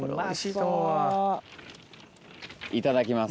いただきます。